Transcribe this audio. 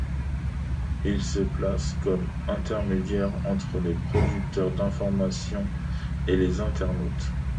Ils se placent comme intermédiaires entre les producteurs d'information et les internautes.